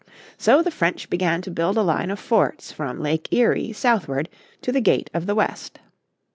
So the French began to build a line of forts from Lake Erie southward to the gate of the west.